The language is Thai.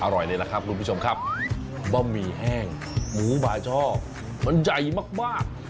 อร่อยเลยนะครับคุณผู้ชมครับบะหมี่แห้งหมูบ่าชอบมันใหญ่มากมาก